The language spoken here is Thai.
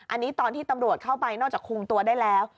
อันนี้ตอนที่ตำรวจเข้าไปนอกจากคุมตัวได้แล้ว